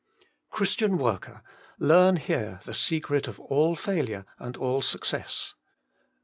Christian worker, learn here the secret of all failure and all success.